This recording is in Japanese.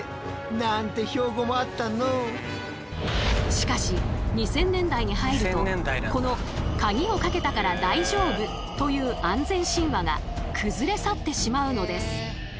しかし２０００年代に入るとこの「カギをかけたから大丈夫」という安全神話が崩れ去ってしまうのです。